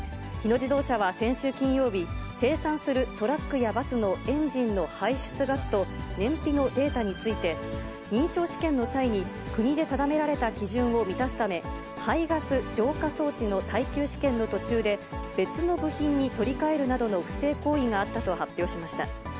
日野自動車は先週金曜日、生産するトラックやバスのエンジンの排出ガスと燃費のデータについて、認証試験の際に、国で定められた基準を満たすため、排ガス浄化装置の耐久試験の途中で、別の部品に取り替えるなどの不正行為があったと発表しました。